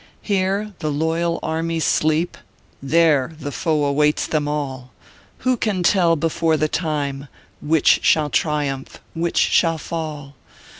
u Here, the loyal armies sleep ; There, tho foe awaits them all; "Who can tell before the time "Which shall triumph, which shall fall